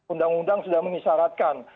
undang undang sudah mengisaratkan